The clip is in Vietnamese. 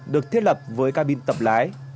được thiết lập với cabin tập lái